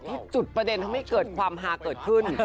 จุดประเด็นทำให้เกิดความฮาเกิดขึ้น